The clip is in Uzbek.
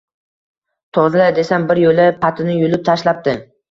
Tozala, desam bir yo`la patini yulib tashlabdi